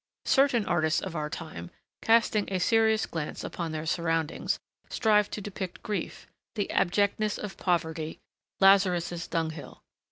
Certain artists of our time, casting a serious glance upon their surroundings, strive to depict grief, the abjectness of poverty, Lazarus's dunghill.